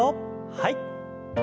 はい。